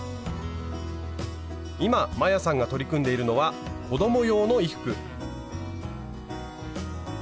今摩耶さんが取り組んでいるのは子供用の衣服。